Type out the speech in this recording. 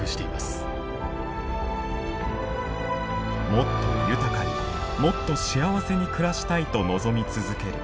もっと豊かにもっと幸せに暮らしたいと望み続ける人間。